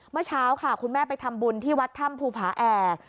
เมื่อเช้าค่ะคุณแม่ไปทำบุญที่วัดถ้ำภูผาแอก